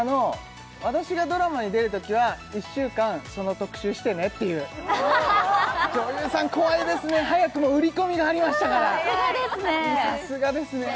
私がドラマに出る時は１週間その特集してねっていう女優さん怖いですね早くも売り込みがありましたからさすがですね